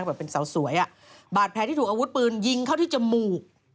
แบบเป็นสาวสวยอ่ะบาดแผลที่ถูกอาวุธปืนยิงเข้าที่จมูก